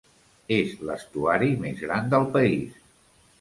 És l'estuari més gran del país.